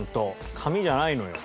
紙じゃないのよ。